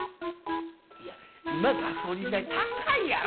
いや、今ガソリン代高いやろ。